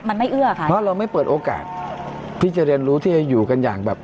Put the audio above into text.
มันไม่เอื้อค่ะเพราะเราไม่เปิดโอกาสที่จะเรียนรู้ที่จะอยู่กันอย่างแบบ